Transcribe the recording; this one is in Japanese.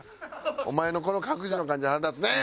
お前のこの隠しの感じ腹立つねん！